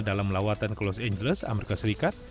dalam lawatan ke los angeles amerika serikat